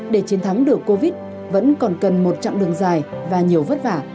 để chiến thắng được covid vẫn còn cần một chặng đường dài và nhiều vất vả